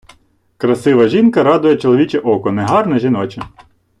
Красива жінка радує чоловіче око, негарна — жіноче.